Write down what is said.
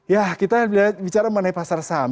ya kita bicara mengenai pasar saham